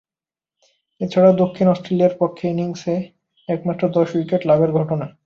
এছাড়াও দক্ষিণ অস্ট্রেলিয়ার পক্ষে ইনিংসে একমাত্র দশ-উইকেট লাভের ঘটনা।